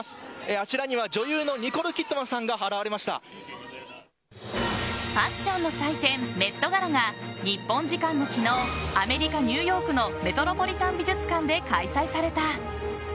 あちらは女優のニコール・キッドマンさんがファッションの祭典メットガラが日本時間の昨日アメリカ・ニューヨークのメトロポリタン美術館で開催された。